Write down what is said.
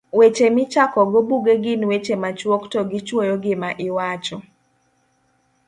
Weche Michakogo Buge gin weche machuok to gichuoyo gima iwacho.